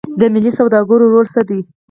د ملي سوداګرو رول څه دی؟